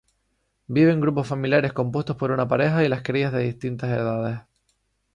Vive en grupos familiares compuestos por una pareja y las crías de diferentes edades.